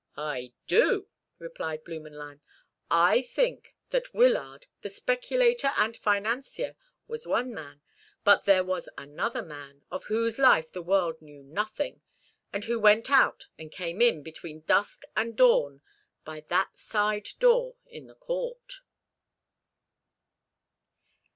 "I do," replied Blümenlein: "I think that Wyllard, the speculator and financier, was one man but that there was another man of whose life the world knew nothing, and who went out and came in between dusk and dawn by that side door in the court."